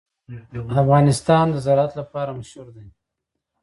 افغانستان د زراعت لپاره مشهور دی.